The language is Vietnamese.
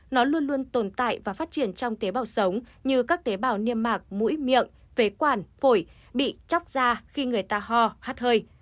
nó luôn luôn tồn tại và phát triển trong tế bào sống như các tế bào niêm mạc mũi miệng phế quản phổi bị chóc da khi người ta ho hát hơi